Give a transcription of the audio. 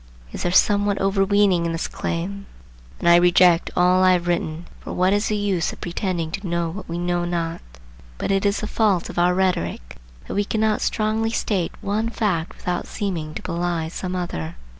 Is there somewhat overweening in this claim? Then I reject all I have written, for what is the use of pretending to know what we know not? But it is the fault of our rhetoric that we cannot strongly state one fact without seeming to belie some other.